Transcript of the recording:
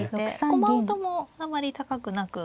駒音もあまり高くなく。